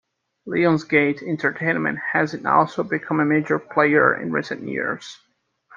Lions Gate Entertainment has also become a major player in recent years.